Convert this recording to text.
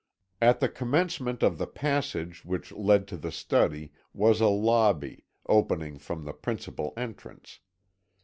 At the commencement of the passage which led to the study was a lobby, opening from the principal entrance.